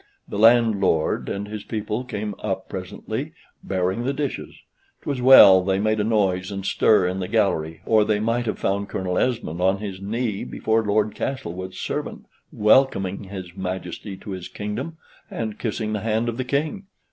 The landlord and his people came up presently bearing the dishes; 'twas well they made a noise and stir in the gallery, or they might have found Colonel Esmond on his knee before Lord Castlewood's servant, welcoming his Majesty to his kingdom, and kissing the hand of the King.